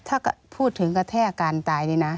ถ้าพูดถึงกระแทกการตายนี่นะ